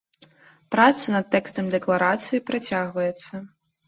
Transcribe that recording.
Праца над тэкстам дэкларацыі працягваецца.